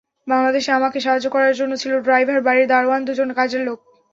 বাংলাদেশে আমাকে সাহায্য করার জন্য ছিল ড্রাইভার, বাড়ির দারোয়ান, দুজন কাজের লোক।